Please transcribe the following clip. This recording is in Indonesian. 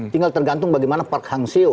tinggal tergantung bagaimana park hang ceo